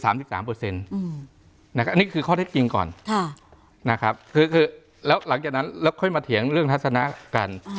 อันนี้คือข้อเท็จจริงก่อนนะครับคือแล้วหลังจากนั้นแล้วค่อยมาเถียงเรื่องทัศนะกัน